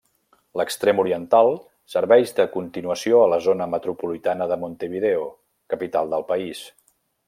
L'extrem oriental serveix de continuació a la zona metropolitana de Montevideo, capital del país.